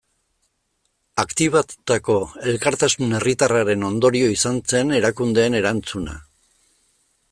Aktibatutako elkartasun herritarraren ondorio izan zen erakundeen erantzuna.